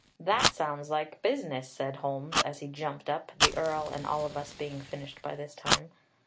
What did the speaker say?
"That sounds like business," said Holmes, as he jumped up, the Earl and all of us being finished by this time.